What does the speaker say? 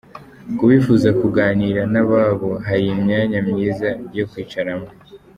Ku bifuza kuganira n'ababo hari imyanya myiza yo kwicaramo.